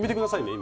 今。